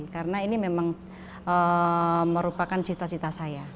karena ini memang merupakan cita cita saya